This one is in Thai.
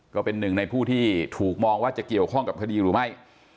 ก็เป็นหนึ่งในผู้ที่ถูกมองว่าจะเกี่ยวข้องกับคดีหรือไม่